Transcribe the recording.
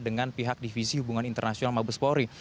dengan pihak divisi hubungan internasional mabespori